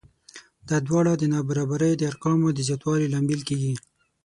دا دواړه د نابرابرۍ د ارقامو د زیاتوالي لامل کېږي